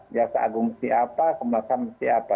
jasa agung mesti apa pemaksa mesti apa